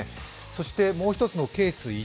そして、もうひとつのケース１